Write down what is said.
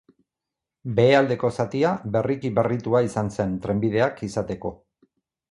Behealdeko zatia, berriki berritua izan zen, trenbideak izateko.